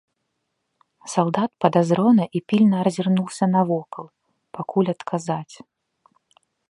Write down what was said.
Салдат падазрона і пільна азірнуўся навокал, пакуль адказаць.